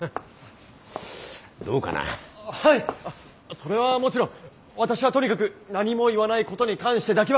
それはもちろん私はとにかく何も言わないことに関してだけは自信がございます！